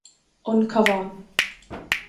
An Cabhán